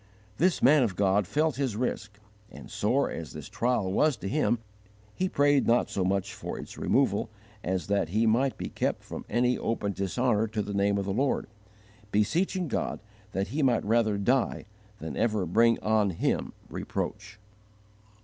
This man of God felt his risk, and, sore as this trial was to him, he prayed not so much for its removal as that he might be kept from any open dishonour to the name of the Lord, beseeching God that he might rather die than ever bring on Him reproach.